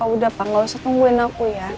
udah pak gak usah tungguin aku ya